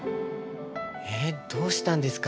えどうしたんですか？